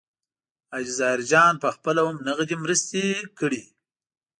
حاجي ظاهرجان پخپله هم نغدي مرستې کړي.